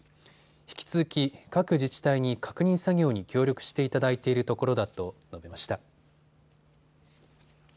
引き続き、各自治体に確認作業に協力していただいているところだと述べました。